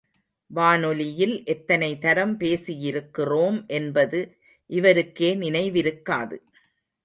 வானொலியில் எத்தனை தரம் பேசியிருக்கிறோம் என்பது இவருக்கே நினைவிருக்காது.